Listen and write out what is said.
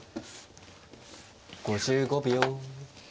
５５秒。